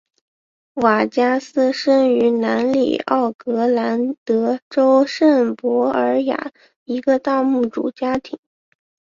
瓦加斯生于南里奥格兰德州圣博尔雅一个大牧主家庭。